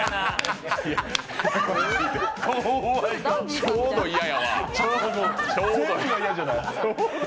ちょうど嫌やわ。